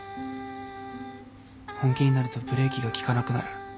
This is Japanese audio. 本気になるとブレーキが利かなくなる。